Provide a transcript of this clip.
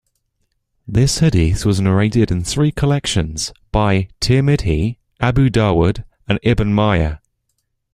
This hadith was narrated in three collections by Tirmidhi, Abu Dawood, and Ibn Majah.